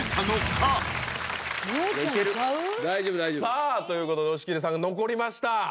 さあということで押切さんが残りました